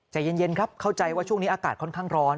ใจเย็นครับเข้าใจว่าช่วงนี้อากาศค่อนข้างร้อน